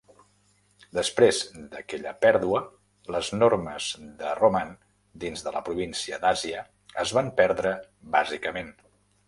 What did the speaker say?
Després d"aquella pèrdua, les normes de Roman dins de la província d"Àsia es van perdre bàsicament.